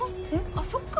あっそっか。